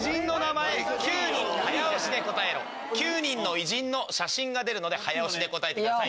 ９人の偉人の写真が出るので早押しで答えてください。